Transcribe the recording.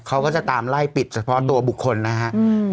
เขาก็จะตามไล่ปิดเฉพาะตัวบุคคลนะครับ